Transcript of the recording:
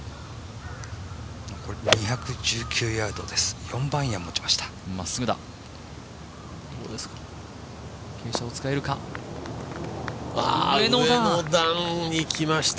２１９ヤードです、４番アイアンを持ちました。